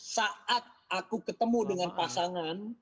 saat aku ketemu dengan pasangan